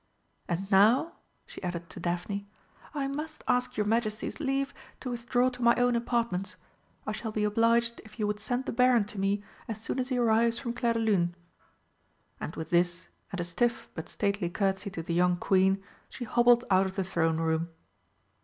And now," she added to Daphne, "I must ask your Majesty's leave to withdraw to my own apartments. I shall be obliged if you would send the Baron to me as soon as he arrives from Clairdelune." And with this, and a stiff but stately curtesy to the young Queen, she hobbled out of the Throne Room.